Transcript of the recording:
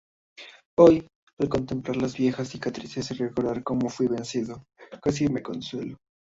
hoy, al contemplar las viejas cicatrices y recordar cómo fuí vencido, casi me consuelo.